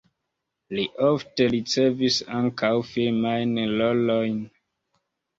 Li ofte ricevis ankaŭ filmajn rolojn.